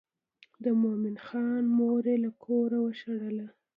د مومن خان مور یې له کوره وشړله.